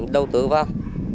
đầu tử vào